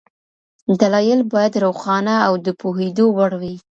دلایل باید روښانه او د پوهېدو وړ وي.